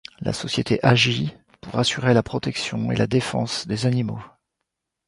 La société agit pour assurer la protection et la défense des animaux.